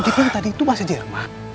oh jadi yang tadi itu bahasa jerman